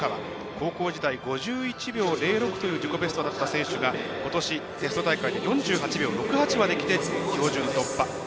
高校時代５１秒０６という自己ベストだった選手がことしテスト大会で４６秒６８まできて参加標準突破。